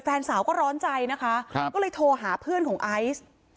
แฟนสาวก็ร้อนใจนะคะก็เลยโทรหาเพื่อนของไอซ์